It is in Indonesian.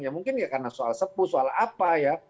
ya mungkin ya karena soal sepuh soal apa ya